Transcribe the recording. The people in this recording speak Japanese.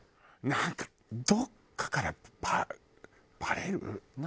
なんかどっかからバレる？